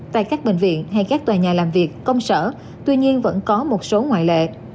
tại các bệnh viện hay các tòa nhà làm việc công sở tuy nhiên vẫn có một số ngoại lệ